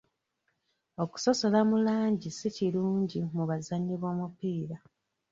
Okusosola mu langi si kikolwa kirungi mu bazannyi b'omupiira.